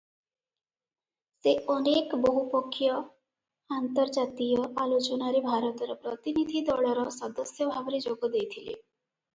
ସେ ଅନେକ ବହୁପକ୍ଷୀୟ ଆନ୍ତର୍ଜାତୀୟ ଆଲୋଚନାରେ ଭାରତର ପ୍ରତିନିଧି ଦଳର ସଦସ୍ୟ ଭାବରେ ଯୋଗଦେଇଥିଲେ ।